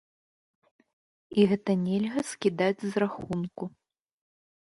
І гэта нельга скідаць з рахунку.